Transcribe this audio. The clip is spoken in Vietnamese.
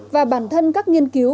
và bản thân các nghiên cứu